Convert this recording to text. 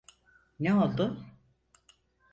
Ne oIdu?